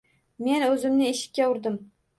Men o‘zimni eshikka urdim